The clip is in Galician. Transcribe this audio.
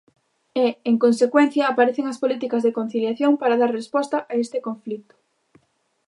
E, en consecuencia, aparecen as políticas de conciliación, para dar resposta a este conflito.